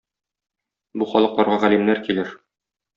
Бу халыкларга галимнәр килер.